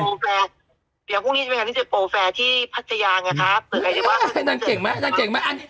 เดี๋ยวพรุ่งนี้จะเป็นการที่จะโปรแฟร์ที่พัศยาไงครับนั่นเก่งมากนั่นเก่งมาก